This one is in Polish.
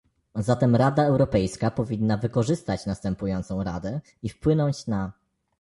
Zatem Rada Europejska powinna wykorzystać następującą radę i wpłynąć na